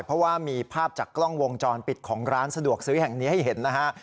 เพราะว่ามีภาพจากกล้องวงจรปิดของร้านสะดวกซื้อแห่งนี้ให้เห็นนะฮะ